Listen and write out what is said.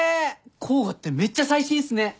甲賀ってめっちゃ最新っすね。